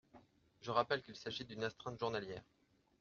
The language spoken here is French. Je rappelle qu’il s’agit d’une astreinte journalière.